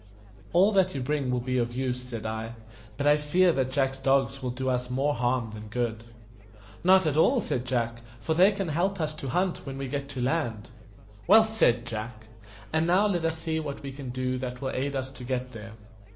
"All that you bring will be of use," said I; "but I fear that Jack's dogs will do us more harm than good." "Not at all," said Jack, "for they can help us to hunt when we get to land." "Well said, Jack. And now let us see what we can do that will aid us to get there."